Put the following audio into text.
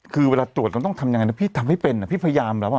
คือเวลาตรวจมันต้องทำยังไงนะพี่ทำให้เป็นพี่พยายามแล้ว